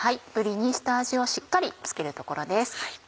ぶりに下味をしっかり付けるところです。